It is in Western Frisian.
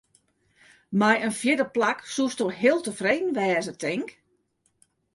Mei in fjirde plak soesto heel tefreden wêze, tink?